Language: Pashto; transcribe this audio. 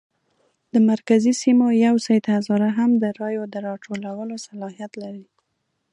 د مرکزي سیمو یو سید هزاره هم د رایو د راټولولو صلاحیت لري.